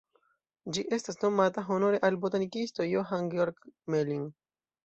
Ĝi estas nomata honore al botanikisto Johann Georg Gmelin.